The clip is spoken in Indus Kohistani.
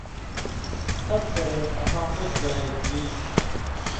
ڇھپ کرے اما مُت گائ گیلیۡ تُھو۔